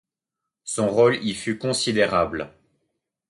Son rôle y fut considérable.